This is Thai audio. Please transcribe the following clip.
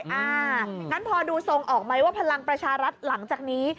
งั้นพอดูทรงออกไหมว่าพลังประชารัฐหลังจากนี้